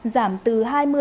giảm từ hai mươi bốn mươi